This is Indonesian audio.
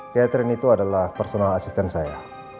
catherine itu adalah personal assistance saya